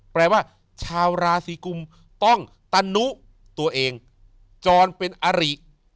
แปลว่าชาวราศีกุมต้องตะนุตัวเองจรเป็นอริ